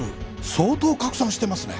相当拡散してますね。